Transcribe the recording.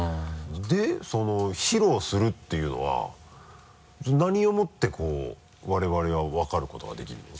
で披露するっていうのは何をもって我々が分かることができるの？